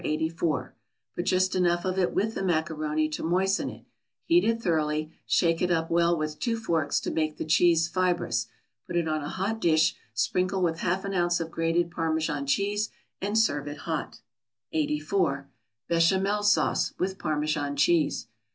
84: put just enough of it with the macaroni to moisten it, heat it thoroughly; shake it up well with two forks to make the cheese fibrous, put it on a hot dish, sprinkle with half an ounce of grated Parmesan cheese, and serve it hot. 84. =Béchamel Sauce, with Parmesan Cheese.